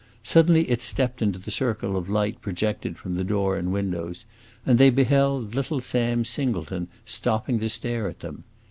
Suddenly it stepped into the circle of light projected from the door and windows, and they beheld little Sam Singleton stopping to stare at them.